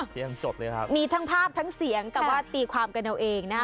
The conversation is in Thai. ยังจบเลยครับมีทั้งภาพทั้งเสียงแต่ว่าตีความกันเอาเองนะฮะ